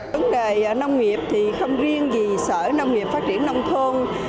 vấn đề nông nghiệp thì không riêng gì sở nông nghiệp phát triển nông thôn